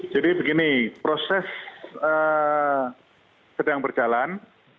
jadi begini proses sedang berjalan